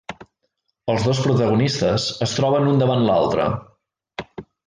Els dos protagonistes es troben un davant l'altre.